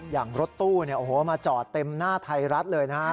อย่างรถตู้มาจอดเต็มหน้าไทยรัฐเลยนะครับ